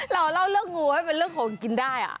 เราเล่าเรื่องงูให้เป็นเรื่องของกินได้